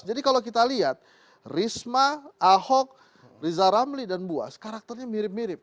jadi kalau kita lihat risma ahok riza ramli dan buas karakternya mirip mirip